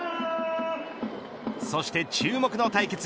そして注目の対決